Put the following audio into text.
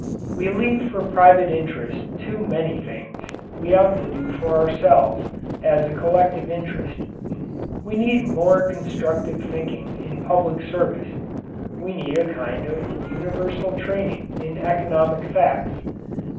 We leave for private interest too many things we ought to do for ourselves as a collective interest. We need more constructive thinking in public service. We need a kind of "universal training" in economic facts.